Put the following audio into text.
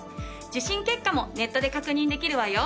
受診結果もネットで確認できるわよ。